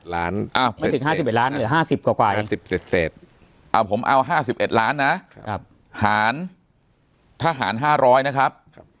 มันถึง๕๑ล้านหรือ๕๐กว่าอ่ะผมเอา๕๑ล้านนะหารถ้าหาร๕๐๐นะครับ